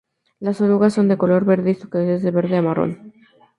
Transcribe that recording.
Los orugas son de color verde y su cabeza es de verde a marrón.